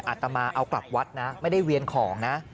อาตมาเอากลับวัดนะไม่ได้เวียนของนะ